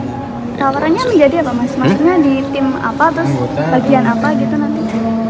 tawarannya menjadi apa mas maksudnya di tim apa terus bagian apa gitu nanti